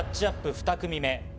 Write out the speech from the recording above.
２組目。